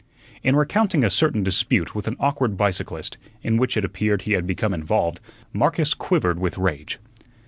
In recounting a certain dispute with an awkward bicyclist, in which it appeared he had become involved, Marcus quivered with rage.